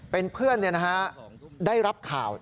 เป็นเพื่อนได้รับข่าว